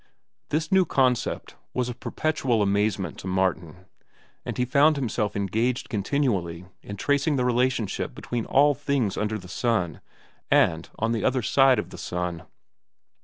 This new concept was a perpetual amazement to Martin, and he found himself engaged continually in tracing the relationship between all things under the sun and on the other side of the sun.